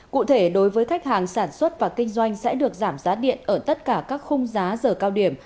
cụ thể đối với khách hàng sản xuất và kinh doanh sẽ được giảm giá điện ở tất cả các khung giá giờ cao điểm